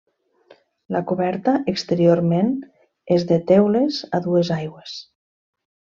La coberta exteriorment és de teules a dues aigües.